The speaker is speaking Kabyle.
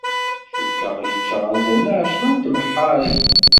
Cukkeɣ yečča azal n εecra n tmeḥḥarin.